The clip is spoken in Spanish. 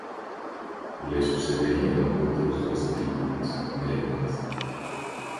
Le sucederían otros dos títulos merengues.